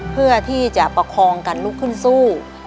เพื่อที่จะประคองกันลุกขึ้นสู้